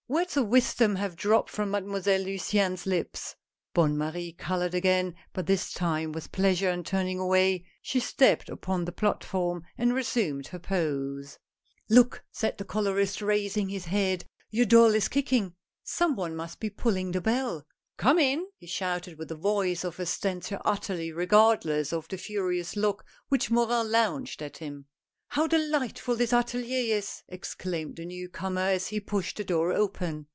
" Words of wisdom have dropped from Mademoiselle Luciane's lips." Bonne Marie colored again, but this time with pleas ure, and turning away she stepped upon the platform and resumed her pose. HOW PICTURES ARE MADE. 143 "Look," said the colorist raising his head, "yonr doll is kicking — some one must be pulling the bell. Come in ! he shouted with the voice of a stentor utterly regardless of the furious look which Morin launched at him. " How delightful this atelier is !" exclaimed the new comer as he pushed the door open.